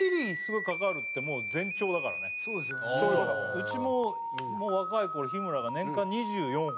うちももう若い頃日村が年間２４本。